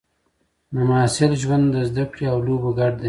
د محصل ژوند د زده کړې او لوبو ګډ دی.